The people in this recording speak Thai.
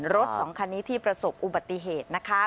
รถสองคันนี้ที่ประสบอุบัติเหตุนะคะ